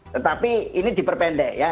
tetapi ini diperpendek ya